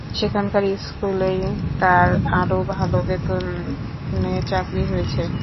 সেখানকার স্কুলেই তার আরও ভালো বেতনে চাকরি হয়েছে।